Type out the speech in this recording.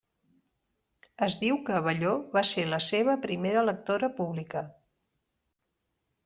Es diu que Abelló va ser la seva primera lectora pública.